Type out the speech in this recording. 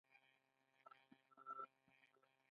زه هم هېچا نه وم ليدلى.